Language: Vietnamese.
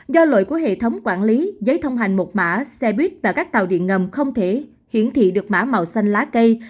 do lỗi của hệ thống quản lý giấy thông hành một mã xe buýt và các tàu điện ngầm không thể hiển thị được mã màu xanh lá cây